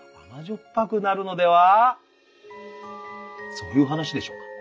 そういう話でしょうか？